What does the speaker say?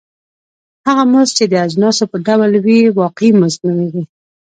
هغه مزد چې د اجناسو په ډول وي واقعي مزد نومېږي